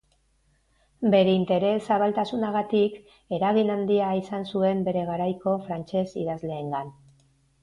Bere interes-zabaltasunagatik eragin handia izan zuen bere garaiko frantses idazleengan.